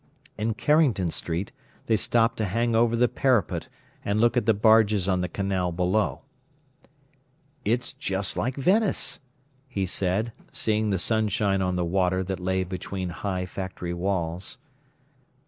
In Carrington Street they stopped to hang over the parapet and look at the barges on the canal below. "It's just like Venice," he said, seeing the sunshine on the water that lay between high factory walls.